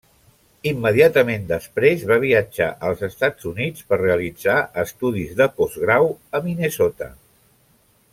Immediatament després va viatjar als Estats Units per realitzar estudis de postgrau a Minnesota.